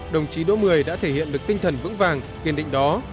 đồng chí đỗ mười đã thể hiện được tinh thần vững vàng kiên định đó